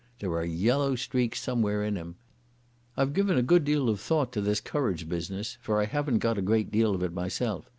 There are yellow streaks somewhere in him.... I've given a good deal of thought to this courage business, for I haven't got a great deal of it myself.